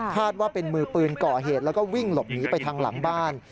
ว่าเป็นมือปืนก่อเหตุแล้วก็วิ่งหลบหนีไปทางหลังบ้าน